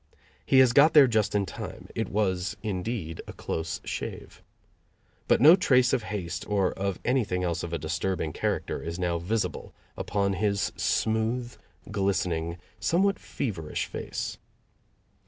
He has got there just in time; it was, indeed, a close shave. But no trace of haste or of anything else of a disturbing character is now visible upon his smooth, glistening, somewhat feverish face.